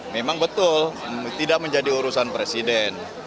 memang betul tidak menjadi urusan presiden